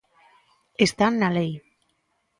Está na lei.